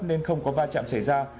nên không có va chạm xảy ra